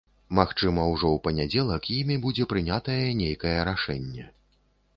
Магчыма, ужо у панядзелак імі будзе прынятае нейкае рашэнне.